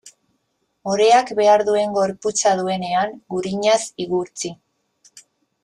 Oreak behar duen gorputza duenean, gurinaz igurtzi.